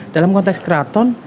dalam konteks keraton